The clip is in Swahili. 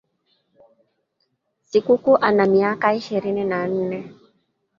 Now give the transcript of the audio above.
Sikuku ana miaka ishirini na nne